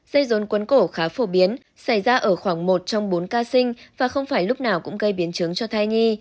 dây rốn quấn cổ khá phổ biến xảy ra ở khoảng một trong bốn ca sinh và không phải lúc nào cũng gây biến chứng cho thai nhi